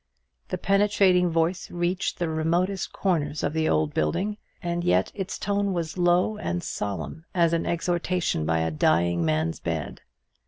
The penetrating voice reached the remotest corners of the old building; and yet its tone was low and solemn as an exhortation by a dying man's bed.